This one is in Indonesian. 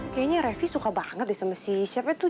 kayaknya revi suka banget deh sama si siapa itu